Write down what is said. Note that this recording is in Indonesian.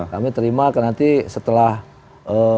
kami terima nanti setelah h plus dua